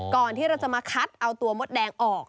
ก่อนที่เราจะมาคัดเอาตัวมดแดงออก